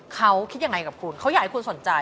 เขาคิดยังไงกับคุณเขาอยากให้คุณสนใจ